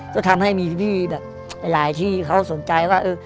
ก็ทำให้มีพี่แบบหลายที่เขาสนใจว่า